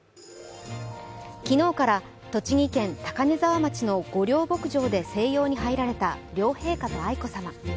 昨日から栃木県高根沢町の御料牧場で静養に入られた両陛下と愛子さま。